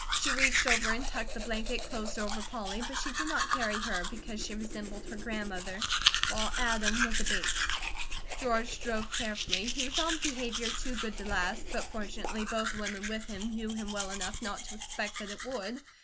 She reached over and tucked the blanket closer over Polly, but she did not carry her, because she resembled her grandmother, while Adam was a Bates. George drove carefully. He was on behaviour too good to last, but fortunately both women with him knew him well enough not to expect that it would.